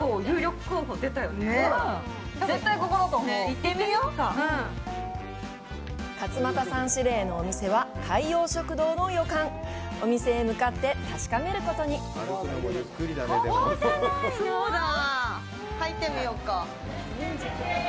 行ってみよう勝俣さん指令のお店は海洋食堂の予感お店へ向かって確かめることにここじゃないの？